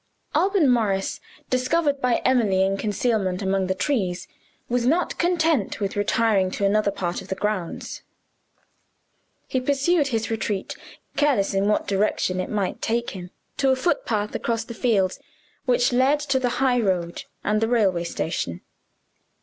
Alban Morris discovered by Emily in concealment among the trees was not content with retiring to another part of the grounds. He pursued his retreat, careless in what direction it might take him, to a footpath across the fields, which led to the highroad and the railway station.